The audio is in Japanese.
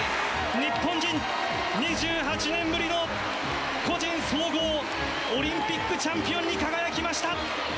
日本人２８年ぶりの個人総合オリンピックチャンピオンに輝きまし